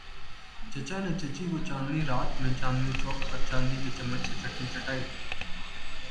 چچا نے چچی کو چاندنی رات میں چاندنی چوک پر چاندی کے چمچ سے چٹنی چٹائ۔